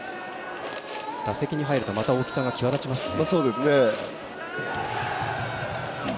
打席に入るとまた大きさが際立ちますね。